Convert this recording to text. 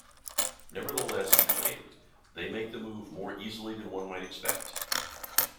Nevertheless, he claimed, "they make the move more easily than one might expect.